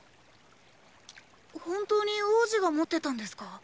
本当に王子が持ってたんですか？